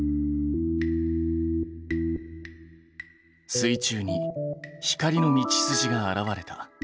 水中に光の道筋が現れた。